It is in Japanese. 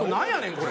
これ。